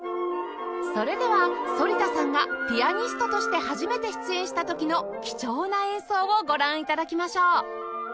それでは反田さんがピアニストとして初めて出演した時の貴重な演奏をご覧頂きましょう